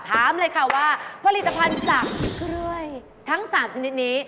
ถามเลยค่ะว่าผลิตภัณฑ์จากกล้วยทั้ง๓ชนิดนี้